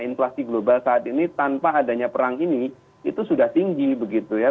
inflasi global saat ini tanpa adanya perang ini itu sudah tinggi begitu ya